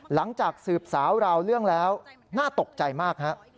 หลังจากสืบสาวราวเรื่องแล้วน่าตกใจมากฮะ